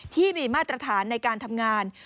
ที่มีมาตรฐานในการทำงาน